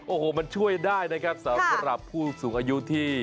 โอ้โหมันช่วยได้นะครับสำหรับผู้สูงอายุที่